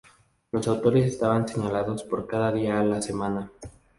Los autores estaban señalados por cada día a la semana.